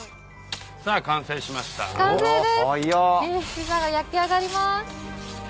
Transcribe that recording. ピザが焼き上がります。